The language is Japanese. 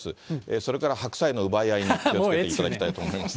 それから白菜の奪い合いに気をつけていただきたいと思います。